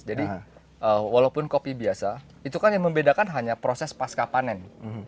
jadi walaupun kopi biasa itu kan yang membedakan hanya proses pasca panen